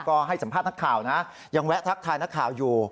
ก็ให้สัมภาษณ์นักข่าวนะยังแวะทักทายนักข่าวอยู่